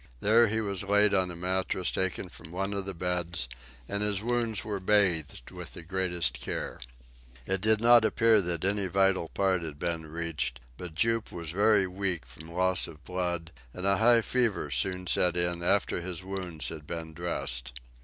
There he was laid on a mattress taken from one of the beds, and his wounds were bathed with the greatest care. It did not appear that any vital part had been reached, but Jup was very weak from loss of blood, and a high fever soon set in after his wounds had been dressed.